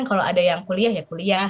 kalau ada yang kuliah ya kuliah